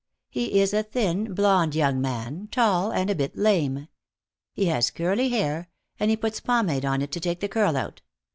He is a thin, blond young man, tall and a bit lame. He has curly hair, and he puts pomade on it to take the curl out.